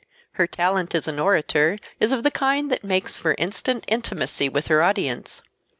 Her talent as an orator is of the kind that makes for instant intimacy with her audience.